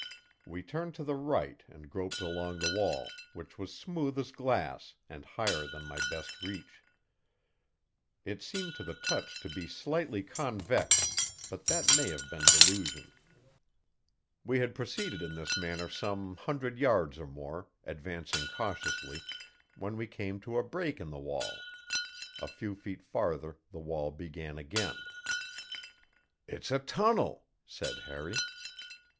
We turned to the right and groped along the wall, which was smooth as glass and higher than my best reach. It seemed to the touch to be slightly convex, but that may have been delusion. We had proceeded in this manner some hundred yards or more, advancing cautiously, when we came to a break in the wall. A few feet farther the wall began again. "It's a tunnel," said Harry.